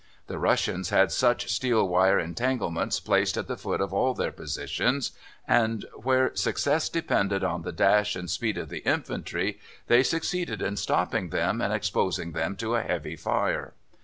The Russians had such steel wire entanglements placed at the foot of all their positions, and where success depended on the dash and speed of the infantry, they succeeded in stopping them and exposing them to a heavy fire.